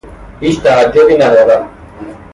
هیچ تعجبی ندارد.